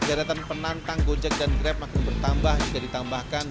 jaratan penantang gojek dan grab makin bertambah juga ditambahkan